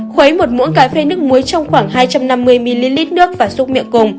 khuấy một mũi cà phê nước muối trong khoảng hai trăm năm mươi ml nước và xúc miệng cùng